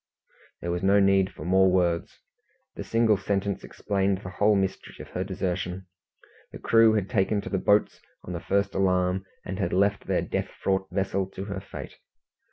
There was no need for more words. The single sentence explained the whole mystery of her desertion. The crew had taken to the boats on the first alarm, and had left their death fraught vessel to her fate.